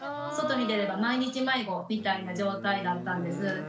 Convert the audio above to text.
外に出れば毎日迷子みたいな状態だったんです。